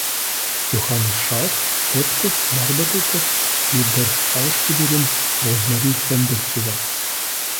Johannes Schaaf lebte und arbeitete mit der Schauspielerin Rosemarie Fendel zusammen.